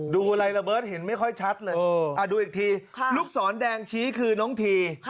ดูอะไรระเบิดเห็นไม่ค่อยชัดเลยดูอีกทีลูกศรแดงชี้คือน้องที